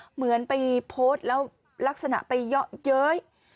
เหมือนไปโพสต์แล้วลักษณะไปเยาะเย้ย